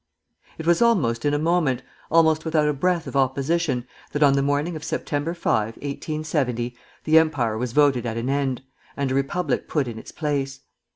_] It was almost in a moment, almost without a breath of opposition, that on the morning of Sept. 5, 1870, the Empire was voted at an end, and a Republic put in its place.